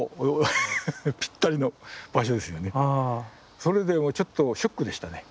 それでもうちょっとショックでしたね。